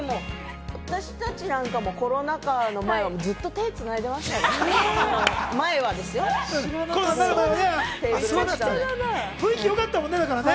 私たちなんかもコロナ禍の前はずっと手つないでましたからね。